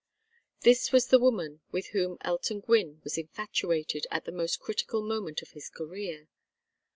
This was the woman with whom Elton Gwynne was infatuated at the most critical moment of his career.